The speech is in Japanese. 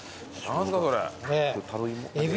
何だそれ。